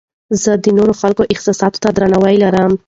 زه د نورو خلکو احساساتو ته درناوی لرم.